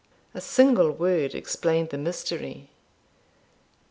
A single word explained the mystery.